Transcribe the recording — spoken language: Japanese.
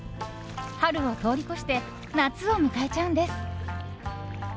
春を通り越して夏を迎えちゃうんです。